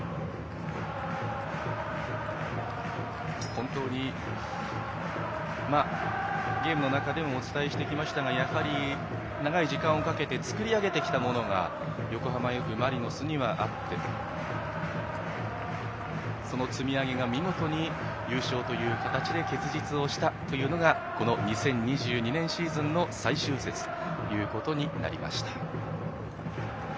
本当にゲームの中でもお伝えしてきましたが長い時間をかけて作り上げてきたものが横浜Ｆ・マリノスにはあってその積み上げが見事に優勝という形で結実をしたというのがこの２０２２年シーズンの最終節となりました。